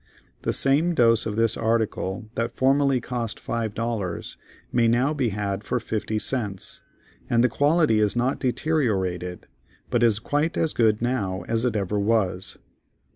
The same dose of this article that formerly cost five dollars, may now be had for fifty cents, and the quality is not deteriorated, but is quite as good now as it ever was.